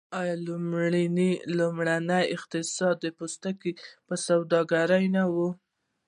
آیا لومړنی اقتصاد د پوستکي په سوداګرۍ نه و؟